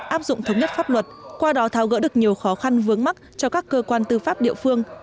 áp dụng thống nhất pháp luật qua đó tháo gỡ được nhiều khó khăn vướng mắt cho các cơ quan tư pháp địa phương